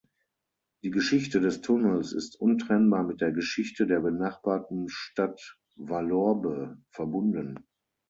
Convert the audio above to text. Die Geschichte des Tunnels ist untrennbar mit der Geschichte der benachbarten Stadt Vallorbe verbunden.